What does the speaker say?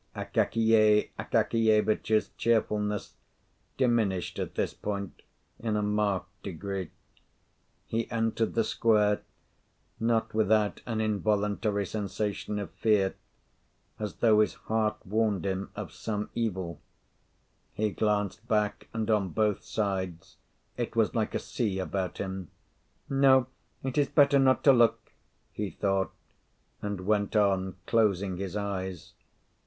Akakiy Akakievitch's cheerfulness diminished at this point in a marked degree. He entered the square, not without an involuntary sensation of fear, as though his heart warned him of some evil. He glanced back and on both sides, it was like a sea about him. "No, it is better not to look," he thought, and went on, closing his eyes.